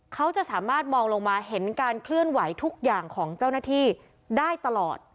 เขาจะสามารถมองลงมาเห็นการเคลื่อนไหวทุกอย่างของเจ้าหน้าที่ได้ตลอด